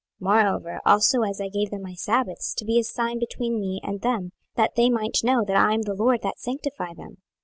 26:020:012 Moreover also I gave them my sabbaths, to be a sign between me and them, that they might know that I am the LORD that sanctify them.